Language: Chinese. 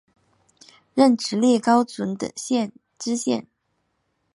任直隶高淳县知县。